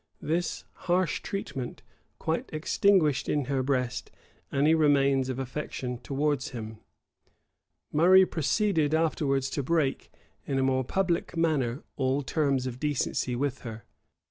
This harsh treatment quite extinguished in her breast any remains of affection towards him.[*] Murray proceeded afterwards to break, in a more public manner, all terms of decency with her.